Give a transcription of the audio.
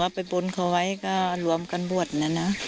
ว่าไปบุญเขาไว้ก็รวมกันบวชนะ